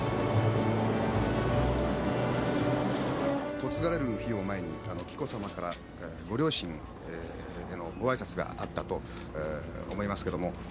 嫁がれる日を前に、紀子さまからご両親へのごあいさつがあったと思いますけれども。